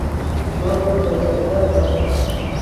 شودو دے جنگل ڤرومے